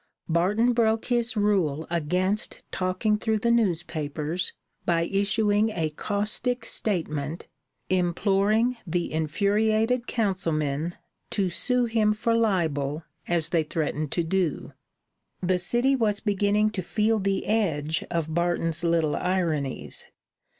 Barton broke his rule against talking through the newspapers by issuing a caustic statement imploring the infuriated councilmen to sue him for libel as they threatened to do. The city was beginning to feel the edge of Barton's little ironies.